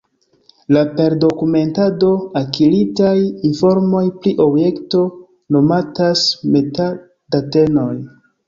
La per dokumentado akiritaj informoj pri objekto nomatas meta-datenoj.